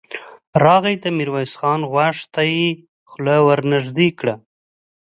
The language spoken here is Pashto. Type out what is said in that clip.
راغی، د ميرويس خان غوږ ته يې خوله ور نږدې کړه.